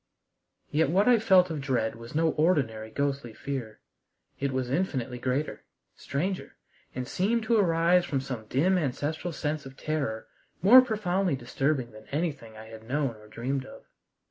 Yet what I felt of dread was no ordinary ghostly fear. It was infinitely greater, stranger, and seemed to arise from some dim ancestral sense of terror more profoundly disturbing than anything I had known or dreamed of.